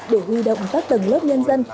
để huy động các tầng lớp nhân dân